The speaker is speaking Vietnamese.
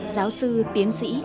giáo sư tiến sĩ